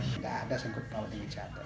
tidak ada sangkut paut dipecat